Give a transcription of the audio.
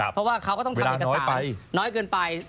เพราะว่าเขาก็ต้องทำเอกสารน้อยเกินไป